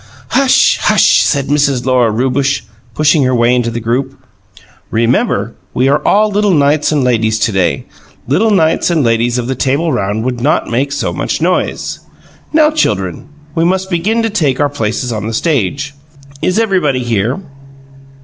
"Hush, hush!" said Mrs. Lora Rewbush, pushing her way into the group. "Remember, we are all little knights and ladies to day. Little knights and ladies of the Table Round would not make so much noise. Now children, we must begin to take our places on the stage. Is everybody here?"